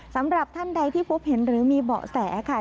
สำหรับท่านใดที่พบเห็นหรือมีเบาะแสค่ะ